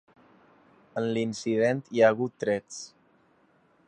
En l’incident hi ha hagut trets.